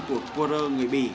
của quarter người bỉ